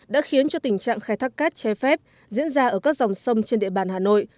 đã khiến cho tình trạng khai thác cát trái phép diễn ra ở các dòng sông trên địa bàn hà nội